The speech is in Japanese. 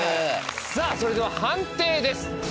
さあそれでは判定です。